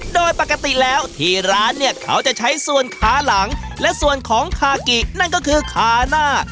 โดยปกติแล้วที่ร้านเนี่ยเขาจะใช้ส่วนขาหลังและส่วนของคากินั่นก็คือขาหน้า